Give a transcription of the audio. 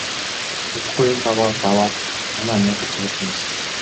Удахгүй энэ даваа даваад манай мянгат цугларна гэсэн.